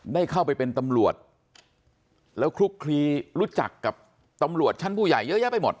ได้เข้าไปเป็นตำรวจแล้วคลุกคลีรู้จักกับตำรวจชั้นผู้ใหญ่เยอะแยะไปหมด